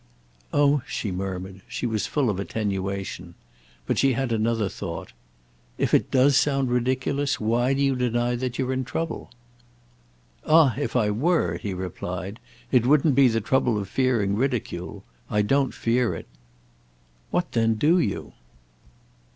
"Oh!" she murmured—she was full of attenuation. But she had another thought. "If it does sound ridiculous why do you deny that you're in trouble?" "Ah if I were," he replied, "it wouldn't be the trouble of fearing ridicule. I don't fear it." "What then do you?"